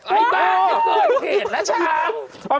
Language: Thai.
โอ๊ยบ้าเสร็จแล้วช้า